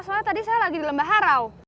soalnya tadi saya lagi di lembah harau